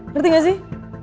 ngerti gak sih